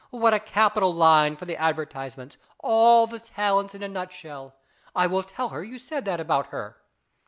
What a capital line for the advertisements. All the talents in a nutshell ! I will tell her you said that about her."